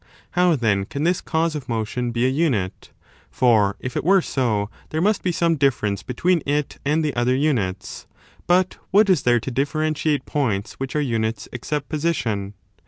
How then can this cause of motion be a unit? 20 For if it were so there must be some difference between it and the other units. But what is there to differentiate points which are units, except position?